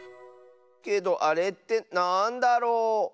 けどあれってなんだろう。